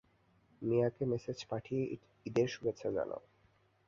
মিয়াকে মেসেজ পাঠিয়ে ঈদের শুভেচ্ছা জানাও।